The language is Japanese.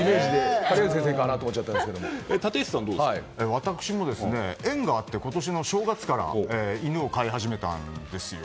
私も縁があって今年の正月から犬を飼い始めたんですよ。